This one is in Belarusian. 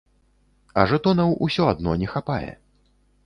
А жэтонаў усё адно не хапае.